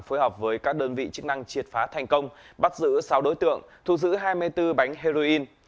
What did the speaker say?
phối hợp với các đơn vị chức năng triệt phá thành công bắt giữ sáu đối tượng thu giữ hai mươi bốn bánh heroin